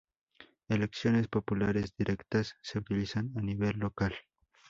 Elecciones populares directas se utilizan a nivel local.